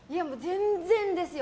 全然ですよ。